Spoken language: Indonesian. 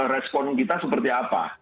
respon kita seperti apa